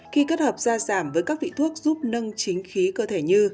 khi kết hợp da giảm với các vị thuốc giúp nâng chính khí cơ thể như